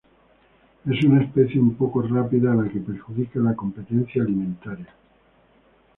Es una especie un poco rápida a la que perjudica la competencia alimentaria.